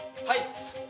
はい！